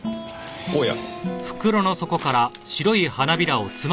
おや。